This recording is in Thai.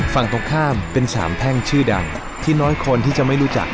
ฝั่งตรงข้ามเป็นสามแพ่งชื่อดังที่น้อยคนที่จะไม่รู้จัก